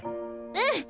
うん！